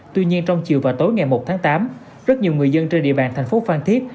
tuy nhiên trong chiều và tối ngày một tháng tám rất nhiều người dân trên địa bàn thành phố phan thiết